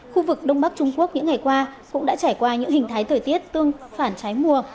khu vực đông bắc trung quốc những ngày qua cũng đã trải qua những hình thái thời tiết tương phản trái mùa